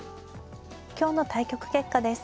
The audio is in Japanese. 今日の対局結果です。